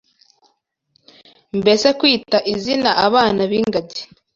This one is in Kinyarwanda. Mbese kwita izina abana b’ingagi